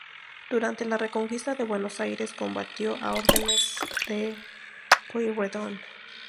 Durante la Reconquista de Buenos Aires combatió a órdenes de Pueyrredón.